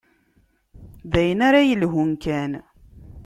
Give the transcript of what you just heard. D ayen ara yelhun kan.